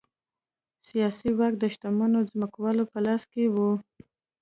سیاسي واک د شتمنو ځمکوالو په لاس کې و.